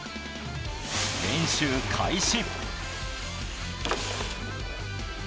練習開始。